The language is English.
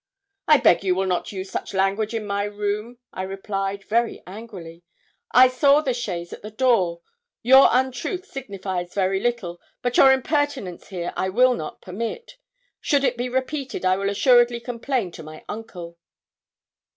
'I beg you will not use such language in my room,' I replied, very angrily. 'I saw the chaise at the door; your untruth signifies very little, but your impertinence here I will not permit. Should it be repeated, I will assuredly complain to my uncle.'